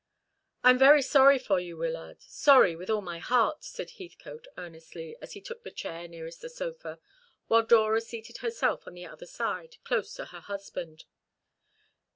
"I am very sorry for you, Wyllard; sorry with all my heart," said Heathcote earnestly, as he took the chair nearest the sofa, while Dora seated herself on the other side, close to her husband.